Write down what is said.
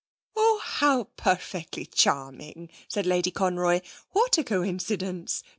'Oh, how perfectly charming!' said Lady Conroy. 'What a coincidence!